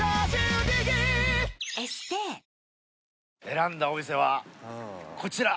選んだお店はこちら。